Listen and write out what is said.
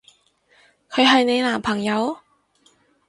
佢係你男朋友？